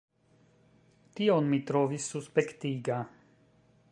Tion mi trovis suspektiga.